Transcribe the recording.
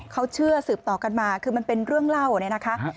เขาเชื่อสืบต่อกันมาคือมันเป็นเรื่องเล่าเนี่ยนะคะ